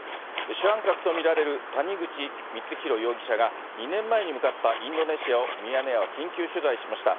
主犯格と見られる谷口光弘容疑者が、２年前に向かったインドネシアをミヤネ屋は緊急取材しました。